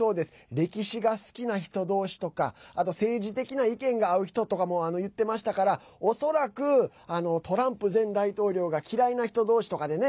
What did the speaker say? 歴史が好きな人同士とかあと政治的な意見が合う人とかも言ってましたから恐らく、トランプ前大統領が嫌いな人同士とかでね。